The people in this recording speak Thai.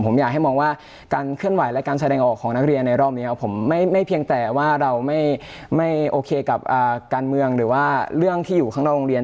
ผมอยากให้มองว่าการเคลื่อนไหวและการแสดงออกของนักเรียนในรอบนี้ผมไม่เพียงแต่ว่าเราไม่โอเคกับการเมืองหรือว่าเรื่องที่อยู่ข้างนอกโรงเรียน